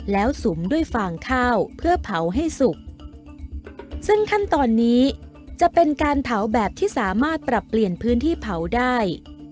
แล้วสุมด้วยฟางข้าวเพื่อเผาให้สุกซึ่งขั้นตอนนี้จะเป็นการเผาแบบที่สามารถปรับเปลี่ยนพื้นที่เผาได้